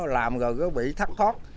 làm rồi bị thắt thoát